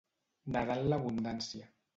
Nedar en l'abundància.